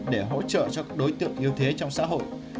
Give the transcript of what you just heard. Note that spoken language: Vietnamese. để hỗ trợ cho các đối tượng yếu thế trong xã hội